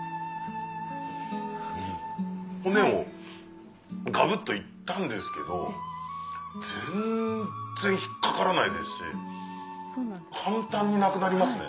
骨もカブっと行ったんですけど全然引っ掛からないですし簡単になくなりますね